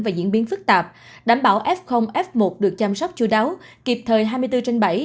và diễn biến phức tạp đảm bảo f f một được chăm sóc chú đáo kịp thời hai mươi bốn trên bảy